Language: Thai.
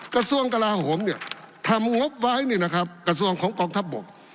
กระทรวงกลาโหมเนี่ยทำงบไว้เนี่ยนะครับกระทรวงของกองทัพบก